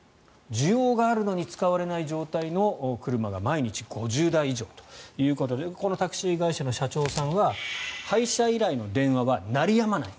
需要があるのに使われない状態の車が毎日５０台以上ということでこのタクシー会社の社長さんは配車依頼の電話は鳴りやまない。